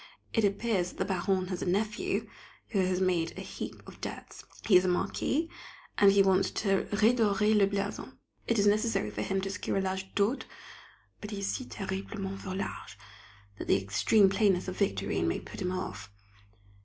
It appears the Baronne has a nephew, who has made a heap of debts; he is a Marquis, and he wants to "redorer le blason." It is necessary for him to secure a large dot, but he is "si terriblement volage," that the extreme plainness of Victorine may put him off.